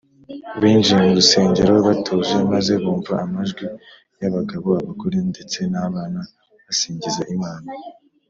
binjiye mu rusengero batuje maze bumva amajwi y’abagabo, abagore ndetse n’abana basingiza imana